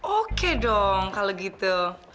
oke dong kalau gitu